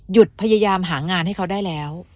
หยุดพยายามหางานให้เขาได้แล้ว